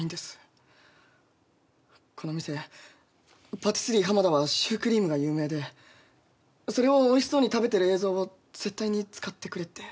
この店パティスリーハマダはシュークリームが有名でそれをおいしそうに食べてる映像を絶対に使ってくれって。